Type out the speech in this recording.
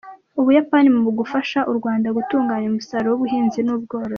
U Buyapani mu gufasha u Rwanda gutunganya umusaruro w’ubuhinzi n’ubworozi